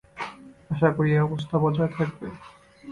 আশা করি, এ অবস্থা বজায় থাকবে।